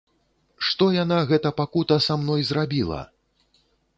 Што яна, гэта пакута, са мной зрабіла?!